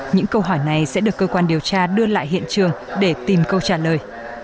những câu hỏi này sẽ được cơ quan điều tra đưa lại hiện trường để tìm câu trả lời